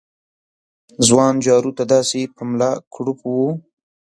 ځوان جارو ته داسې په ملا کړوپ و